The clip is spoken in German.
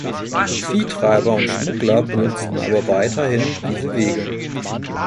Viehtreiber und Schmuggler benutzten aber weiterhin diese Wege.